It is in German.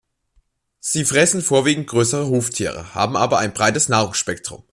Sie fressen vorwiegend größere Huftiere, haben aber ein breites Nahrungsspektrum.